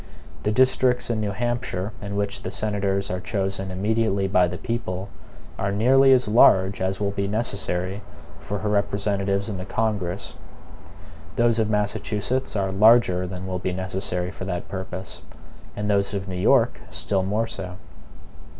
The districts in New Hampshire in which the senators are chosen immediately by the people, are nearly as large as will be necessary for her representatives in the Congress. Those of Massachusetts are larger than will be necessary for that purpose; and those of New York still more so.